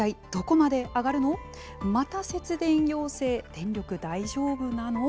また節電要請電力、大丈夫なの？